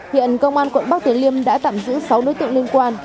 hiện công an quận bắc tiền liêm đã tạm giữ sáu nối tượng liên quan